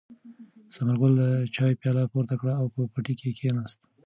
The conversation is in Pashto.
ثمرګل د چای پیاله پورته کړه او په پټي کې کېناست.